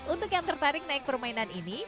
untuk yang tertarik naik permainan ini